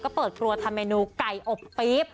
ก็เปิดครัวทำเมนูไก่อบปี๊บ